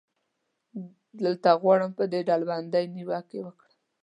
دلته غواړم پر دې ډلبندۍ نیوکې وکړم.